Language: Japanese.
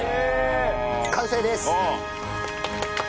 完成です。